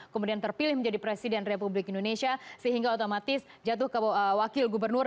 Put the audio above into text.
kemudian terpilih menjadi presiden republik indonesia sehingga otomatis jatuh ke wakil gubernur